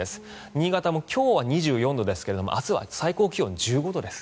新潟も今日は２４度ですが明日は最高気温１５度です。